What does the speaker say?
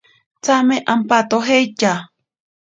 Tsame apatojeitya.